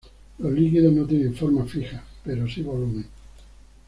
Los líquidos no tienen forma fija pero sí volumen.